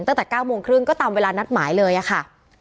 ตั้งแต่๙โมงครึ่งก็ตามเวลานัดหมายเลยอะค่ะ